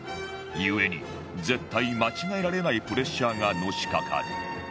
故に絶対間違えられないプレッシャーがのしかかる